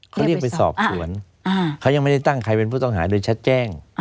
เขาเรียกไปสอบสวนเขายังไม่ได้ตั้งใครเป็นผู้ต้องหาโดยชัดแจ้ง